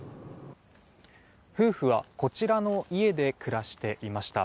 夫婦はこちらの家で暮らしていました。